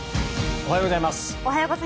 おはようございます。